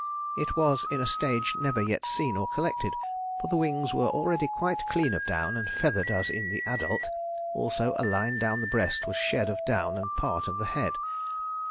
It was in a stage never yet seen or collected, for the wings were already quite clean of down and feathered as in the adult, also a line down the breast was shed of down and part of the head.